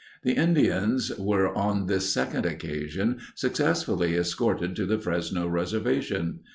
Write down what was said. The Indians were on this second occasion successfully escorted to the Fresno reservation.